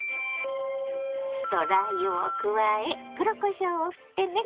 酢とラー油を加え黒こしょうをふってね！